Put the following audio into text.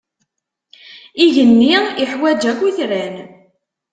Igenni iḥwaǧ akk itran.